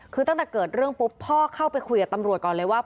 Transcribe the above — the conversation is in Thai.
คือตั้งแต่เกิดเรื่องปุ๊บพ่อเข้าไปคุยกับตำรวจก่อนเลยว่า